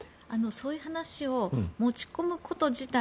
そういう話を持ち込むこと自体